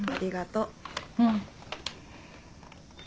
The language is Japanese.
うん。